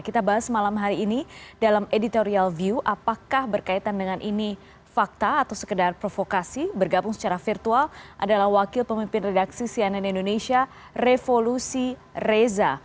kita bahas malam hari ini dalam editorial view apakah berkaitan dengan ini fakta atau sekedar provokasi bergabung secara virtual adalah wakil pemimpin redaksi cnn indonesia revolusi reza